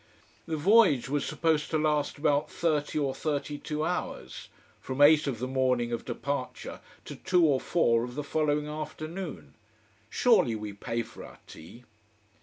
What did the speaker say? The voyage was supposed to last about thirty or thirty two hours: from eight of the morning of departure to two or four of the following afternoon. Surely we pay for our tea.